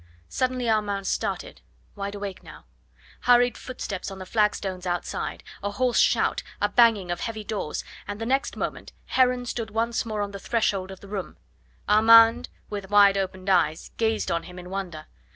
Suddenly Armand started wide awake now. Hurried footsteps on the flagstones outside, a hoarse shout, a banging of heavy doors, and the next moment Heron stood once more on the threshold of the room. Armand, with wide opened eyes, gazed on him in wonder.